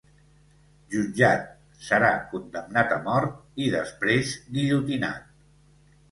Jutjat, serà condemnat a mort i després guillotinat.